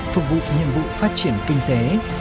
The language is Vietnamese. phục vụ nhiệm vụ phát triển kinh tế